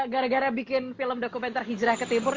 gara gara bikin film dokumenter hijrah ke timur